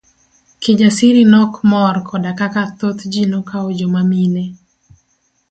Kijasiri nok mor koda kaka thoth ji nokawo joma mine.